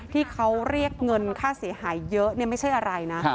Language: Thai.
ที่เขาเรียกเงินค่าเสียหายเยอะไม่ใช่อะไรนะ